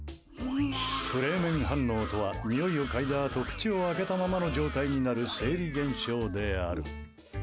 フレーメン反応とはにおいをかいだあと口を開けたままの状態になる生理現象のことである。